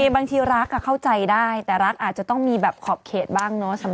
บางทีรักเข้าใจได้แต่รักอาจจะต้องมีแบบขอบเขตบ้างเนอะ